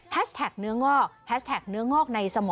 แฮชแทกเนื้องอก